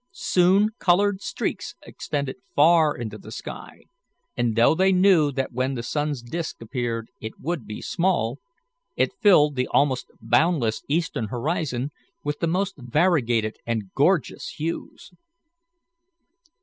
Soon coloured streaks extended far into the sky, and though they knew that when the sun's disc appeared it would seem small, it filled the almost boundless eastern horizon with the most variegated and gorgeous hues.